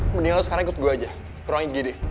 mendingan lo sekarang ikut gue aja ke ruang igd